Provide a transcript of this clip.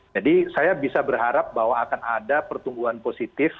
jadi saya bisa berharap bahwa akan ada pertumbuhan positif